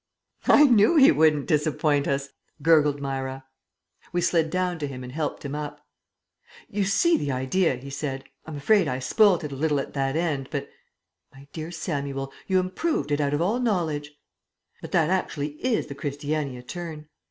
"I knew he wouldn't disappoint us," gurgled Myra. We slid down to him and helped him up. "You see the idea," he said. "I'm afraid I spoilt it a little at that end, but " "My dear Samuel, you improved it out of all knowledge." "But that actually is the Christiania Turn."